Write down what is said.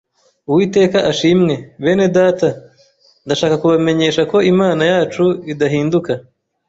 Uwiteka ashimwe! Bene Data, ndashaka kubamenyesha ko Imana yacu idahinduka,